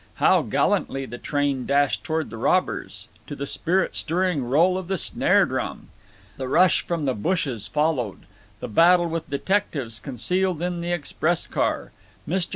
How gallantly the train dashed toward the robbers, to the spirit stirring roll of the snare drum. The rush from the bushes followed; the battle with detectives concealed in the express car. Mr.